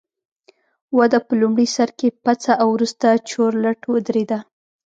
وده په لومړي سر کې پڅه او وروسته چورلټ ودرېده